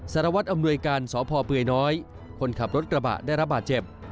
สารวัตรอำนวยการสพเปื่อยน้อยคนขับรถกระบะได้รับบาดเจ็บ